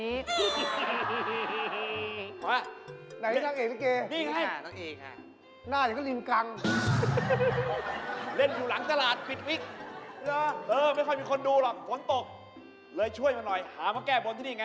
เอาหุ่นแม่จักรียันมายืนที่นี่